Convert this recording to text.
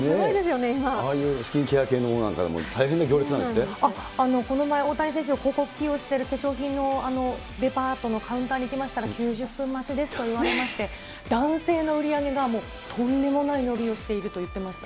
ああいうスキンケア系のものとか、この前、大谷選手を広告起用している化粧品のデパートのカウンターに行きましたら、９０分待ちですと言われまして、男性の売り上げが、もうとんでもない伸びをしていると言っていました。